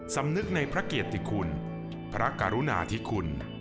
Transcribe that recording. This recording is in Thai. สำนึกในพระเกียรติคุณพระกรุณาธิคุณ